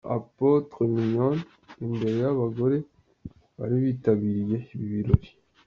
Apotre Mignone imbere y'abagore bari bitabiriye ibi birori.